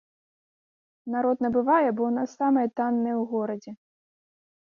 Народ набывае, бо ў нас самыя танныя ў горадзе.